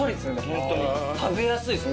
ホントに食べやすいです